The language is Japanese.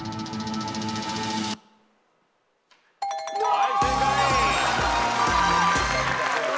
はい正解。